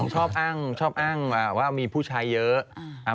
ชอบอ้างชอบอ้างว่ามีผู้ชายเยอะ